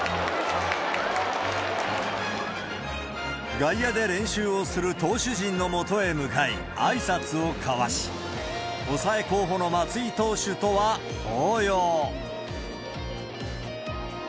外野で練習をする投手陣のもとへ向かい、あいさつを交わし、抑え候補の松井投手とは抱擁。